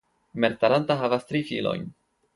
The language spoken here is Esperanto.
Mertaranta havas tri filojn.